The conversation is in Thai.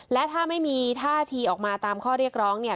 และถ้าไม่มีท่าทีออกมาตามข้อเรียกร้องเนี่ย